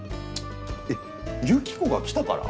えっ由紀子が来たから？